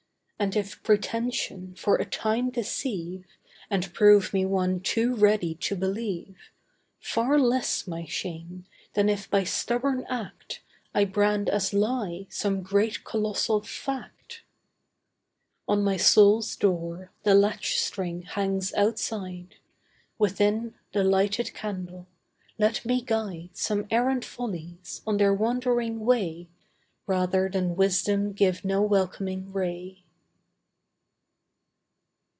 And if pretension for a time deceive, And prove me one too ready to believe, Far less my shame, than if by stubborn act, I brand as lie, some great colossal Fact. On my soul's door, the latch string hangs outside; Within, the lighted candle. Let me guide Some errant follies, on their wandering way, Rather, than Wisdom give no welcoming ray.